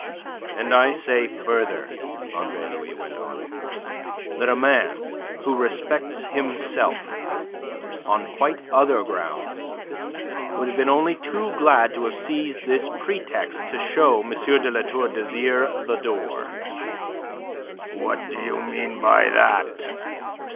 "And I say further," Andre Louis went on, "that a man who respects himself, on quite other grounds, would have been only too glad to have seized this pretext to show M. de La Tour d'Azyr the door." "What do you mean by that?"